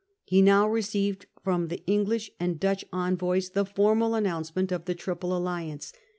He now received from the English and Dutch envoys the formal announcement of the Triple Alliance.